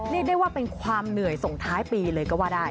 เรียกได้ว่าเป็นความเหนื่อยส่งท้ายปีเลยก็ว่าได้